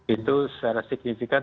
itu secara signifikan